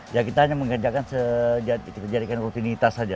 ya kita hanya mengerjakan menjadikan rutinitas saja